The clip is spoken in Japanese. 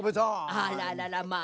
あらららまあ。